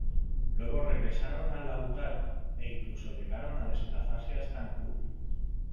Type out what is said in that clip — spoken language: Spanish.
Luego regresaron a Lautaro, e incluso llegaron a desplazarse hasta Ancud.